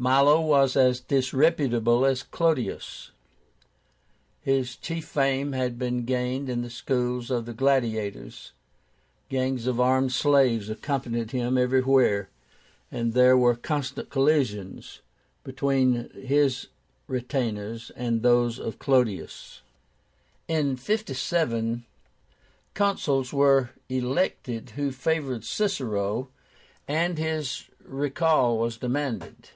Milo was as disreputable as Clodius. His chief fame had been gained in the schools of the gladiators. Gangs of armed slaves accompanied him everywhere, and there were constant collisions between his retainers and those of Clodius. In 57 Consuls were elected who favored Cicero, and his recall was demanded.